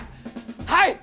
はい！